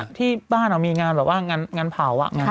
อย่างวันนี้ที่บ้านมีงานแบบว่างานเผา